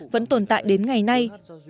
vẫn tồn tại đến ngày nay